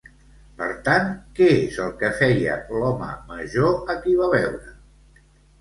Per tant, què és el que feia l'home major a qui va veure?